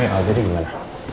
eh al jadi gimana